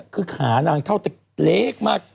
คือขานางเท่าจะเล็กมาก